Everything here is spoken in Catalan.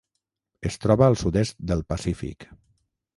Es troba al sud-est del Pacífic: